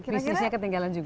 bisnisnya ketinggalan juga